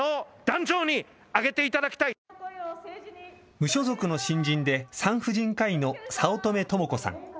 無所属の新人で産婦人科医の早乙女智子さん。